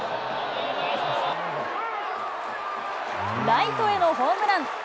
ライトへのホームラン。